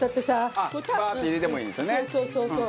そうそうそうそう。